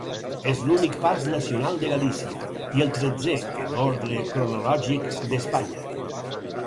És l'únic Parc Nacional de Galícia, i el tretzè en ordre cronològic d'Espanya.